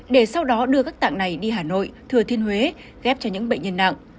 để sau đó đưa các tạng này đi hà nội thừa thiên huế ghép cho những bệnh nhân nặng